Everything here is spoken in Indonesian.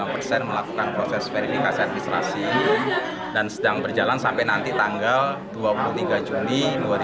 dua puluh persen melakukan proses verifikasi administrasi dan sedang berjalan sampai nanti tanggal dua puluh tiga juli dua ribu dua puluh